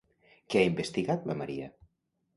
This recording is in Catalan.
Què ha investigat, la Maria?